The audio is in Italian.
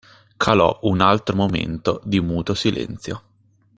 Calò un altro momento di muto silenzio.